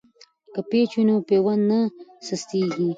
که پیچ وي نو پیوند نه سستیږي.